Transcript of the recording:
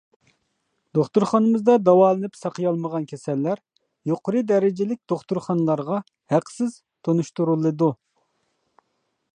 دوختۇرخانىمىزدا داۋالىنىپ ساقىيالمىغان كېسەللەر يۇقىرى دەرىجىلىك دوختۇرخانىلارغا ھەقسىز تونۇشتۇرۇلىدۇ.